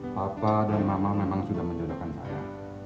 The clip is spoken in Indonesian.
papa dan mama memang sudah menjodohkan saya